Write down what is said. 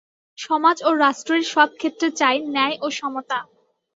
সমাজ ও রাষ্ট্রের সব ক্ষেত্রে চাই ন্যায় ও সমতা।